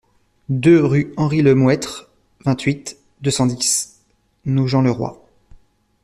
deux rue Henri Lemouettre, vingt-huit, deux cent dix, Nogent-le-Roi